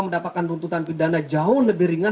mendapatkan tuntutan pidana jauh lebih ringan